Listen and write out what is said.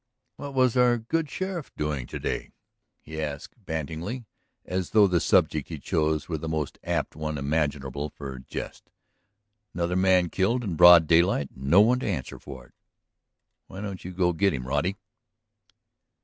"What was our good sheriff doing to day?" he asked banteringly, as though the subject he chose were the most apt one imaginable for jest. "Another man killed in broad daylight and no one to answer for it! Why don't you go get 'em, Roddy?"